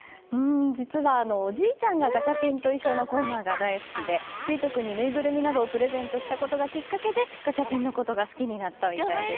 実はおじいちゃんがガチャピンといっしょ！のコーナーが大好きで結叶君にぬいぐるみなどをプレゼントしたことがきっかけでガチャピンのことが好きになったみたいです。